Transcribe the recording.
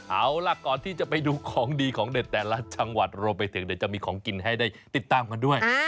เอาล่ะก่อนที่จะไปดูของดีของเด็ดแต่ละจังหวัดรวมไปถึงเดี๋ยวจะมีของกินให้ได้ติดตามกันด้วย